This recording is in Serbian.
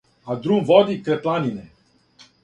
А друм води крај планине.